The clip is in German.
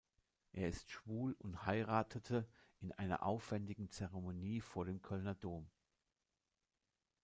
Er ist schwul und heiratete in einer aufwändigen Zeremonie vor dem Kölner Dom.